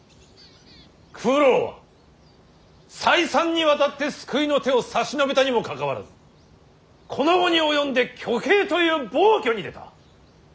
九郎は再三にわたって救いの手を差し伸べたにもかかわらずこの期に及んで挙兵という暴挙に出た。